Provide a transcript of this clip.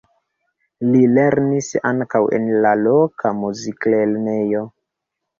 Li lernis ankaŭ en la loka muziklernejo.